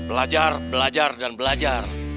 belajar belajar dan belajar